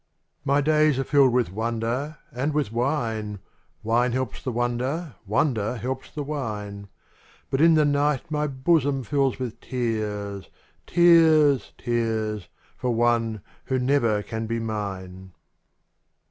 days are filled with wonder and witK wine, — Wine helps the wonder, wonder helps the wine — But in the night my bosom fills with tears. Tears, tears, for one who never can be mine.